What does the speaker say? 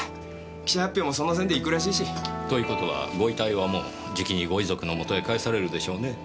記者発表もその線で行くらしいし。という事はご遺体はもうじきにご遺族の元へ帰されるでしょうねぇ。